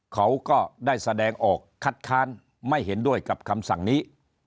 เขาก็ได้แสดงออกคัดค้านไม่เห็นด้วยกับคำสั่งนี้